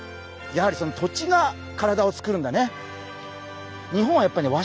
やはりその土地が体をつくるんだね。